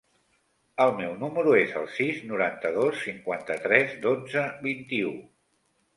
El meu número es el sis, noranta-dos, cinquanta-tres, dotze, vint-i-u.